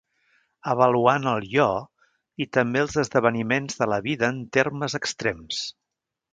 Avaluant el jo, i també els esdeveniments de la vida en termes extrems.